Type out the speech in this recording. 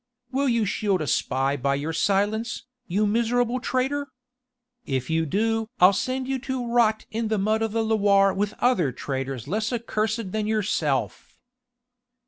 Will you shield a spy by your silence, you miserable traitor? If you do I'll send you to rot in the mud of the Loire with other traitors less accursed than yourself."